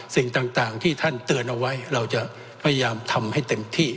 สิ่งต่างที่ท่านเตือนเอาไว้เราจะพยายามทำให้เต็มที่